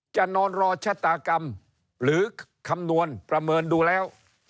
จะนอนรอชะตากรรมหรือคำนวณประเมินดูแล้ว